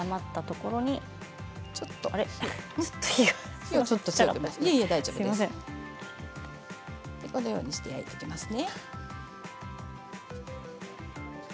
このようにして入れていきますね。